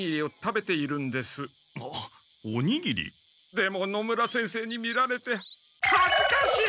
でも野村先生に見られてはずかしい！